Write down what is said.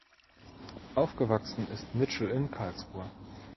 Aufgewachsen ist Mitchell in Karlsruhe.